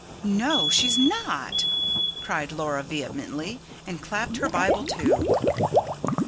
"No, she's not!" cried Laura vehemently, and clapped her Bible to.